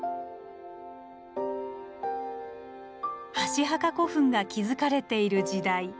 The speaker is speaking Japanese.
箸墓古墳が築かれている時代。